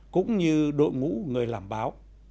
cũng như đội ngũ người làm báo